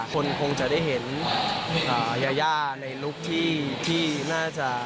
คงจะได้เห็นยาย่าในลุคที่น่าจะ